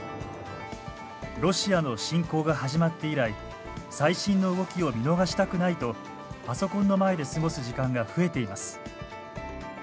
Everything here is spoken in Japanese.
ロシアの侵攻が始まって以来最新の動きを見逃したくないとパソコンの前で過ごす時間が増えています。